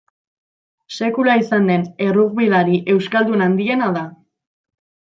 Sekula izan den errugbilari euskaldun handiena da.